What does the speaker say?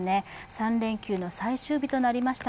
３連休の最終日となりました